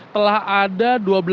telah ada dua belas lima puluh sembilan